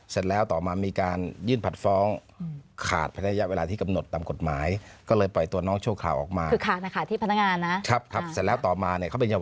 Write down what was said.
เสร็จแล้วต่อมามีการยื่นผัดฟ้องขาดไปในระยะเวลาที่กำหนดตามกฎหมาย